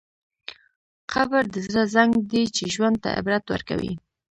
قبر د زړه زنګ دی چې ژوند ته عبرت ورکوي.